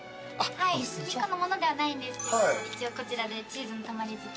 はい日光のものではないんですけど一応こちらチーズのたまり漬け。